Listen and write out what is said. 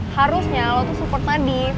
harusnya lo tuh support nadif